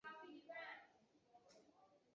顺天府乡试第十六名。